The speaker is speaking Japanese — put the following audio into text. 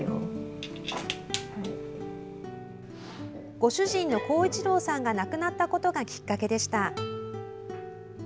ご主人の光一郎さんが亡くなったことがきっかけでした。